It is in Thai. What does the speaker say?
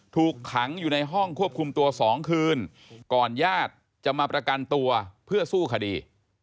ถูกขังอยู่ในห้องควบคุมตัว๒คืนก่อนญาติจะมาประกันตัวเพื่อสู้คดี